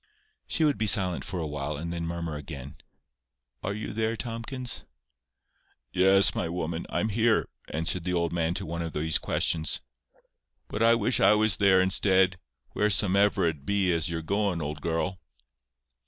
She would be silent for a while, and then murmur again— "Are you there, Tomkins?" "Yes, my woman, I'm here," answered the old man to one of these questions; "but I wish I was there instead, wheresomever it be as you're goin', old girl."